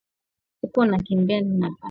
Uko nakimbia nini apana kukimbia bwana